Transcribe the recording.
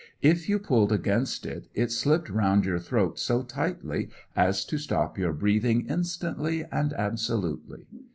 If you pulled against it, it slipped round your throat so tightly as to stop your breathing instantly and absolutely.